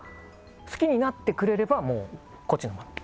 好きになってくれればこっちのもの。